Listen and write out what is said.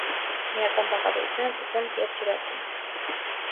Քիմիական բաղադրությունը՝ ծծումբ և ջրածին։